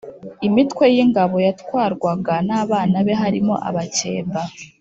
Imitwe y’Ingabo yatwarwaga n’abana be harimo Abakemba